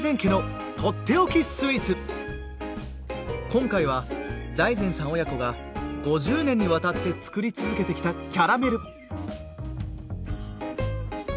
今回は財前さん親子が５０年にわたって作り続けてきたキャラメル！